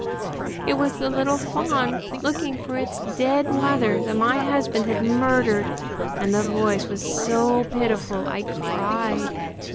It was the little fawn looking for its dead mother that my husband had murdered, and the voice was so pitiful I cried.